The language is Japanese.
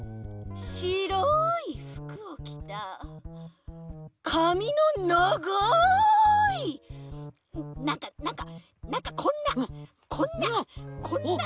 しろいふくをきたかみのながいなんかなんかなんかこんなこんなこんなふく。